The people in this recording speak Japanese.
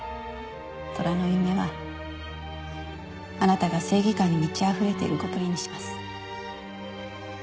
虎の夢はあなたが正義感に満ちあふれている事を意味します。